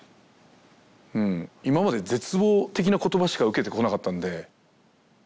今まで絶望的な言葉しか受けてこなかったんで。